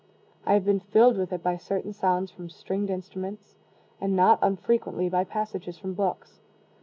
I have been filled with it by certain sounds from stringed instruments, and not unfrequently by passages from books.